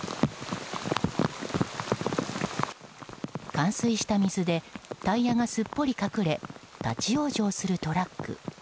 冠水した水でタイヤがすっぽり隠れ立ち往生するトラック。